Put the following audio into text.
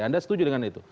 anda setuju dengan itu